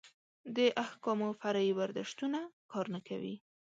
د احکامو فرعي برداشتونه کار نه کوي.